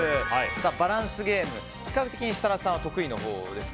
バランスゲーム比較的設楽さんは得意ですか。